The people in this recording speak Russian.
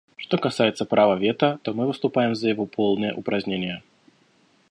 Что касается права вето, то мы выступаем за его полное упразднение.